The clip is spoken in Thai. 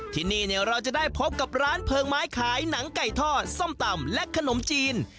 ที่นี่เราจะได้พบกับร้านเพลิงไม้ขายหนังไก่ทอดส้มตำและขนมจีน